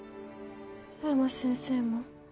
佐山先生も？